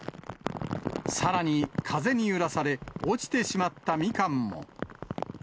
さらに、風に揺らされ、落ちてしまったみかんも。